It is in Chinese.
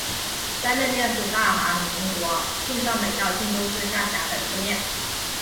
山内面是大韩民国庆尚北道庆州市下辖的一个面。